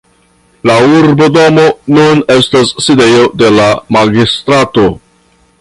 La urbodomo nun estas sidejo de la magistrato.